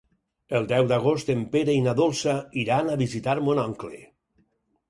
El deu d'agost en Pere i na Dolça iran a visitar mon oncle.